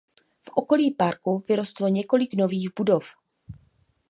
V okolí parku vyrostlo několik nových budov.